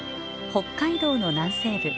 北海道の南西部。